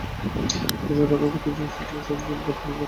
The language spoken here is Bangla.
সমাজকে রক্ষা করতে, জুজুৎসু সর্সারারদের বাধ্য হয়ে আড়ালে কাজ করতে হয়।